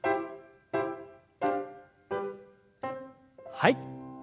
はい。